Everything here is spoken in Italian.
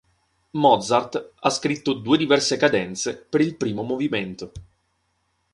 Mozart ha scritto due diverse cadenze per il primo movimento.